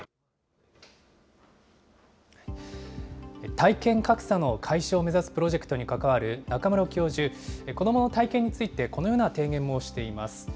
体験格差の解消を目指すプロジェクトに関わる中室教授、子どもの体験について、このような提言もしています。